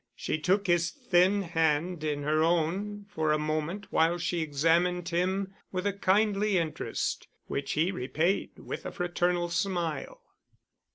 She took his thin hand in her own for a moment while she examined him with a kindly interest, which he repaid with a fraternal smile.